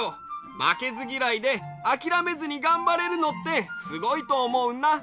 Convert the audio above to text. まけずぎらいであきらめずにがんばれるのってすごいとおもうな。